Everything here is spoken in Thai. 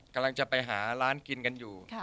กำลังจะไปหาร้านกินกันอยู่